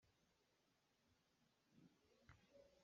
Thingkeppar rual khat in rak ka phorh te.